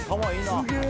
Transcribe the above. すげえ。